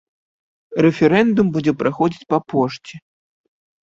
Рэферэндум будзе праходзіць па пошце.